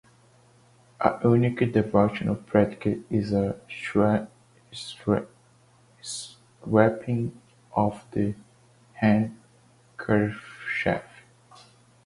A unique devotional practice is the 'swapping of the handkerchief'.